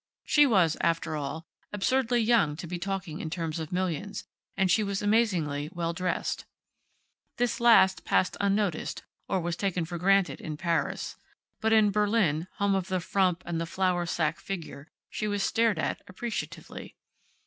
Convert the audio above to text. She was, after all, absurdly young to be talking in terms of millions, and she was amazingly well dressed. This last passed unnoticed, or was taken for granted in Paris, but in Berlin, home of the frump and the flour sack figure, she was stared at, appreciatively.